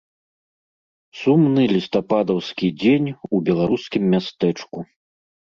Сумны лістападаўскі дзень у беларускім мястэчку.